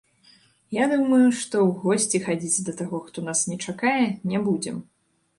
Я думаю, што ў госці хадзіць да таго, хто нас не чакае, не будзем.